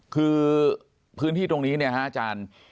คือพื้นที่ตรงนี้เนี่ยฮะอาจารย์